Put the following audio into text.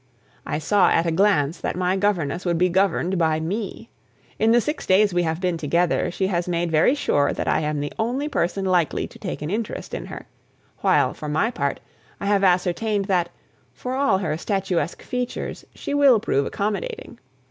I saw at a glance that my governess would be governed by me. In the six days we have been together, she has made very sure that I am the only person likely to take an interest in her; while, for my part, I have ascertained that, for all her statuesque features, she will prove accommodating.